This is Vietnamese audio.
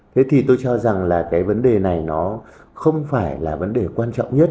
thế thì tôi cho rằng là cái vấn đề này nó không phải là vấn đề quan trọng nhất